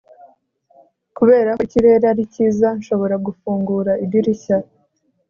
kubera ko ikirere ari cyiza, nshobora gufungura idirishya